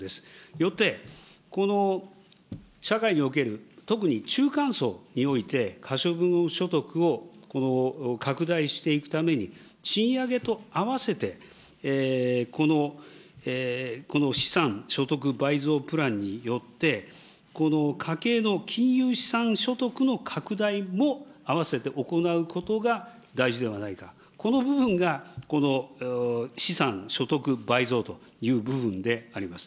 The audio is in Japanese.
よってこの社会における、特ににおいて、可処分所得を拡大していくために賃上げとあわせてこの資産所得倍増プランによって、この家計の金融資産所得の拡大も併せて行うことが大事ではないか、この部分が資産所得倍増という部分であります。